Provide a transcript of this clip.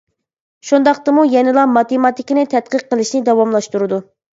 شۇنداقتىمۇ يەنىلا ماتېماتىكىنى تەتقىق قىلىشنى داۋاملاشتۇرىدۇ.